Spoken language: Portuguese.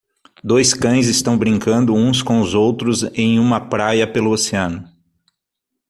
Dois cães estão brincando uns com os outros em uma praia pelo oceano.